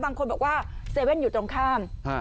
บางคนบอกว่า๗๑๑อยู่ตรงข้าม